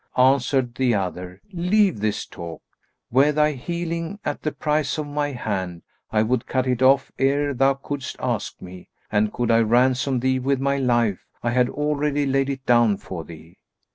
Answered the other, "Leave this talk! Were thy healing at the price of my hand, I would cut it off ere thou couldst ask me; and, could I ransom thee with my life, I had already laid it down for thee.